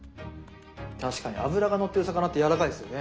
確かに脂がのってる魚ってやわらかいですよね。